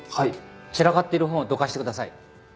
散らかっている本をどかしてください。